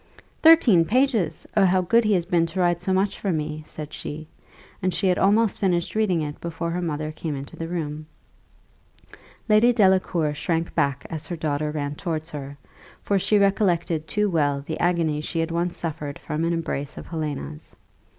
"Thirteen pages! Oh, how good he has been to write so much for me!" said she; and she had almost finished reading it before her mother came into the room. Lady Delacour shrunk back as her daughter ran towards her; for she recollected too well the agony she had once suffered from an embrace of Helena's.